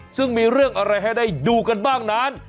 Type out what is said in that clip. ซึ่งมีเรื่องอะไรให้ได้ดูกันบ้างนั้น